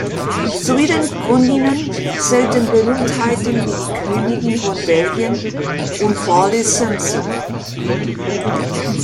Zu ihren Kundinnen zählten Berühmtheiten wie die Königin von Belgien und Wallis Simpson.